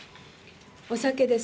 お酒です。